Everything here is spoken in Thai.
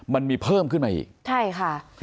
มันมีเพิ่มขึ้นมาอีกใช่ค่ะ